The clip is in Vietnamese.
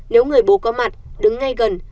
nếu người bố có mặt đứng ngay gần